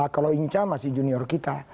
kalau inca masih junior kita